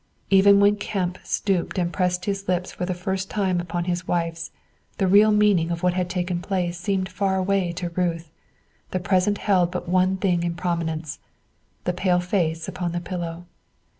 Even when Kemp stooped and pressed his lips for the first time upon his wife's, the real meaning of what had taken place seemed far away to Ruth; the present held but one thing in prominence, the pale face upon the pillow.